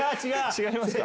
違いますか。